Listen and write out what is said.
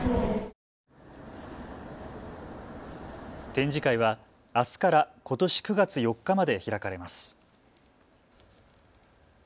展示会はあすからことし９月４日まで開かれます。